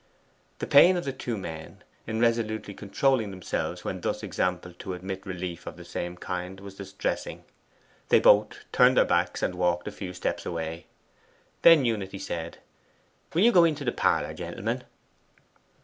The pain of the two men in resolutely controlling themselves when thus exampled to admit relief of the same kind was distressing. They both turned their backs and walked a few steps away. Then Unity said, 'Will you go into the parlour, gentlemen?